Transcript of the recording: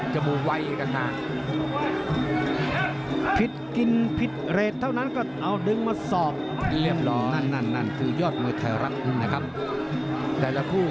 ช่างไอ้น้ำเงินมันน่ารักมาก